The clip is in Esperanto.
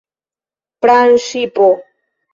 Pramŝipo!